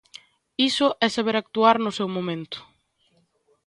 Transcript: Iso é saber actuar no seu momento.